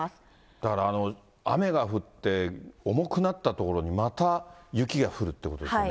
だから雨が降って、重くなったところに、また雪が降るっていうことですよね。